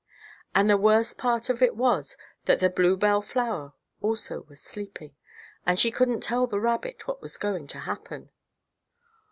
And the worst part of it was that the bluebell flower also was sleeping, and she couldn't tell the rabbit what was going to happen.